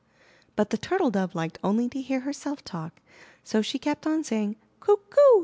But the Turtle Dove liked only to hear herself talk, so she kept on saying: ''Coo! Coo!